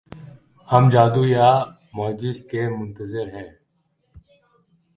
ہم جادو یا معجزے کے منتظر ہیں۔